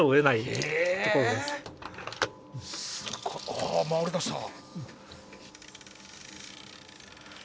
あ回りだした。